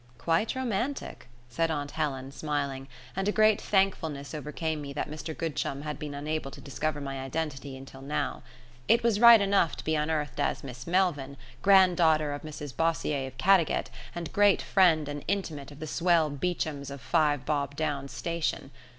"Quite romantic," said aunt Helen, smiling; and a great thankfulness overcame me that Mr Goodchum had been unable to discover my identity until now. It was right enough to be unearthed as Miss Melvyn, grand daughter of Mrs Bossier of Caddagat, and great friend and intimate of the swell Beechams of Five Bob Downs station.